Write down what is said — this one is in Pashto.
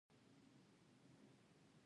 خو ایران ګاز تر پولې رسولی دی.